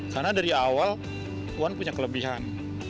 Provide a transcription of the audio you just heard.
karena dari awal tuhan punya kelebihan